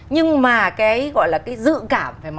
nhưng mà cái gọi là cái dự cảm